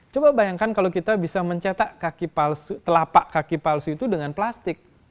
coba bayangkan kalau kita bisa mencetak telapak kaki palsu itu dengan plastik